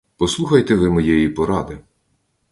Послухайте ви моєї поради!